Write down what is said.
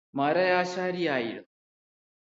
മരയാശാരി ആയിരുന്നു